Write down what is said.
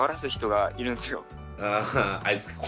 はい。